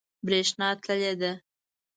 بریښنا تللی ده